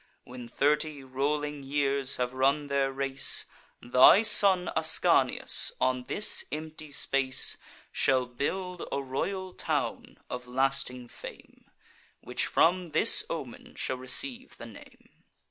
When thirty rolling years have run their race, Thy son Ascanius, on this empty space, Shall build a royal town, of lasting fame, Which from this omen shall receive the name.